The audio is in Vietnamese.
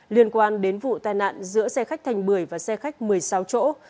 liên quan đến vụ tai nạn giữa xe khách thành bưởi và xe khách thành bưởi